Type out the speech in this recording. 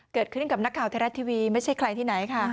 เกิดขึ้นกับนักข่าวไทยรัฐทีวีไม่ใช่ใครที่ไหนค่ะ